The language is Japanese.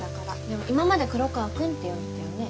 でも今まで「黒川くん」って呼んでたよね。